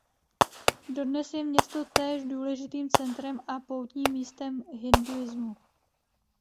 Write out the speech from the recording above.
Dodnes je město též důležitým centrem a poutním místem hinduismu.